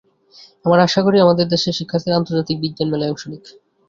আমরা আশা করি, আমাদের দেশের শিক্ষার্থীরাও আন্তর্জাতিক বিজ্ঞান মেলায় অংশ নিক।